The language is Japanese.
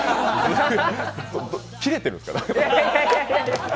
キレてるんですか？